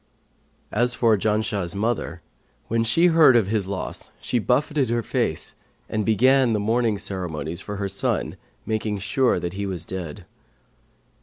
As for Janshah's mother, when she heard of his loss she buffeted her face and began the mourning ceremonies for her son making sure that he was dead.